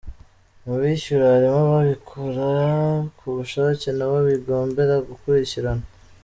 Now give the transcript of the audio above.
Mu bishyura harimo ababikora ku bushake n’abo bigombera gukurikirana.